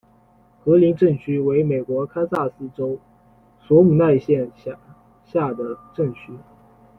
格林镇区为美国堪萨斯州索姆奈县辖下的镇区。